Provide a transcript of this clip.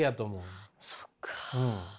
そっかあ。